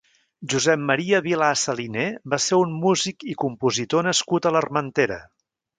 Josep Maria Vilà Saliner va ser un músic i compositor nascut a l'Armentera.